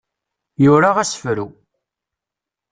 Yura asefru.